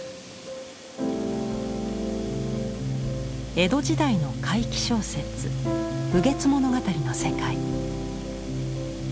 江戸時代の怪奇小説「雨月物語」の世界。